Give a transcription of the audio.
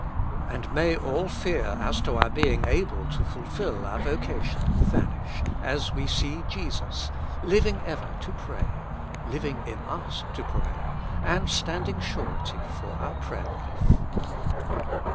And may all fear as to our being able to fulfil our vocation vanish as we see Jesus, living ever to pray, living in us to pray, and standing surety for our prayer life.